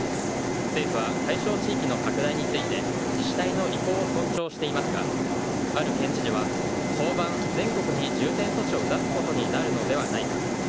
政府は対象地域の拡大について自治体の意向を尊重していますがある県知事は早晩、全国に重点措置を出すことになるのではないか。